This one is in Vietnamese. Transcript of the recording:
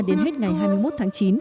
đến hết ngày hai mươi một tháng chín